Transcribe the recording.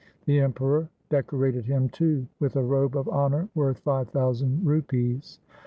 The Emperor decorated him too with a robe of honour worth five thousand rupees.